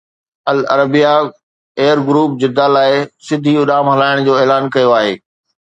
العربيه air group Jeddah لاءِ سڌي اڏام هلائڻ جو اعلان ڪيو آهي